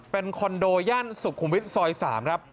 เป็นคอนโดย่านสุขุมวิทย์ซอย๓ครับ